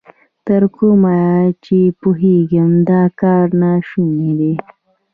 تر کومه چې پوهېږم، دا کار نا شونی دی.